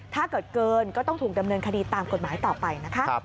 ถ้าเกิดเกินก็ต้องถูกดำเนินคดีตามกฎหมายต่อไปนะคะ